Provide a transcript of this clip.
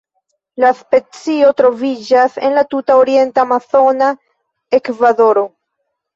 La specio troviĝas en la tuta orienta amazona Ekvadoro.